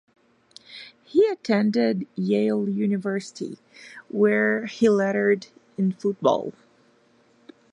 He attended Yale University, where he lettered in football.